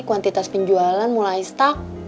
kuantitas penjualan mulai stuck